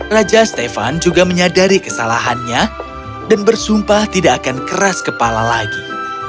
raja stefan juga menyadari kesalahannya dan bersumpah tidak akan keras kepala lagi